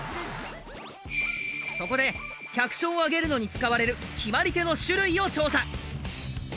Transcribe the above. そこで１００勝を挙げるのに使われる決まり手の種類を調査。